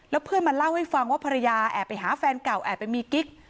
เพื่อนมาเล่าให้ฟังว่าภรรยาแอบไปหาแฟนเก่าแอบไปมีกิ๊ก